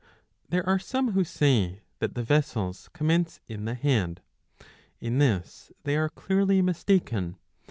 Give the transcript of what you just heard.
There are some^ who say that the vessels commence in the head. In this they are clearly mistaken.